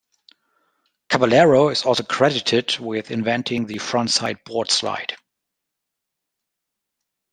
Caballero is also credited with inventing the frontside boardslide.